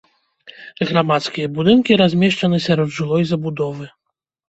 Грамадскія будынкі размешчаны сярод жылой забудовы.